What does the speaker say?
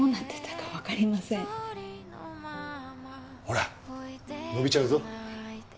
ほら伸びちゃうぞ。